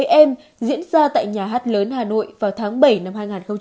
trong đêm nhạc sĩ phú quang diễn ra tại nhà hát lớn hà nội vào tháng bảy năm hai nghìn hai mươi